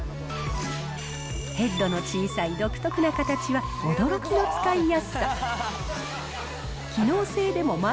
ヘッドの小さい独特な形は驚きの使いやすさ。